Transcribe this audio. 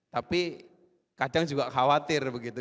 tapi kadang juga khawatir begitu